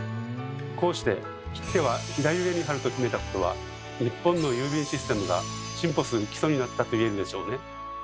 こうして切手は左上に貼ると決めたことは日本の郵便システムが進歩する基礎になったと言えるでしょうね。